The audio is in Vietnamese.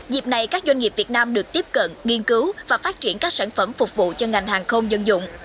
dịp này các doanh nghiệp việt nam được tiếp cận nghiên cứu và phát triển các sản phẩm phục vụ cho ngành hàng không dân dụng